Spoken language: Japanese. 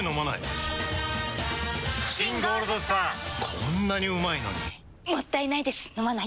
こんなにうまいのにもったいないです、飲まないと。